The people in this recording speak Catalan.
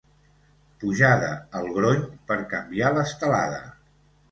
Pujada al Grony per canviar l'estelada.